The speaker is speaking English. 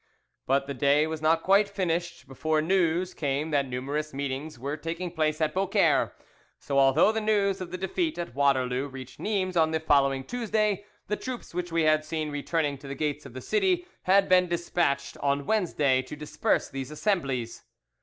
"But the day was not quite finished before news came that numerous meetings were taking place at Beaucaire, so although the news of the defeat at Waterloo reached Nimes on the following Tuesday, the troops which we had seen returning at the gates of the city had been despatched on Wednesday to disperse these assemblies.